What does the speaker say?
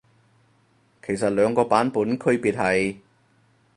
其實兩個版本區別係？